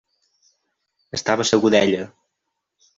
Estava segur d'ella.